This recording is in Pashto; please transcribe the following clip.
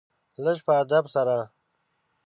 لږ په ادب سره .